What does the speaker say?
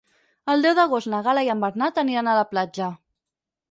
El deu d'agost na Gal·la i en Bernat aniran a la platja.